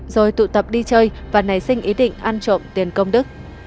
rồi tụ tập đi chơi và nảy sinh ý định ăn trộm tiền công đức